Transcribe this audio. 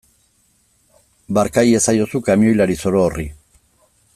Barka iezaiozu kamioilari zoro horri.